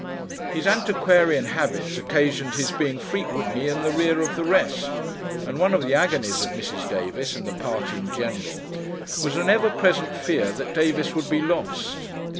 His antiquarian habits occasioned his being frequently in the rear of the rest; and one of the agonies of Mrs. Davis, and the party in general, was an ever present fear that Davis would be lost.